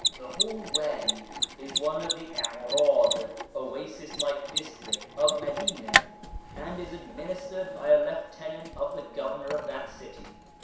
The whole Wady is one of the Acradh (oasis like districts) of Madina, and is administered by a Lieutenant of the Governor of that city.